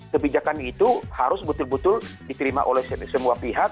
kebijakan itu harus betul betul diterima oleh semua pihak